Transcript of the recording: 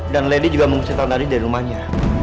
dan lady juga mengusir tante andis dari rumahnya